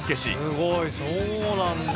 すごいそうなんだ。